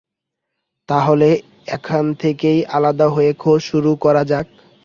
তাহলে এখান থেকেই আলাদা হয়ে খোঁজা শুরু করা যাক।